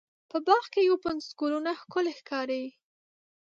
په باغ کې یو پنځوس ګلونه ښکلې ښکاري.